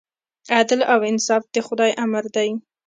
عدل او انصاف د خدای امر دی.